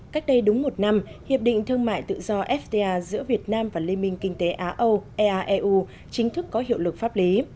cách đây đúng một năm hiệp định thương mại tự do fta giữa việt nam và liên minh kinh tế á âu eaeu chính thức có hiệu lực pháp lý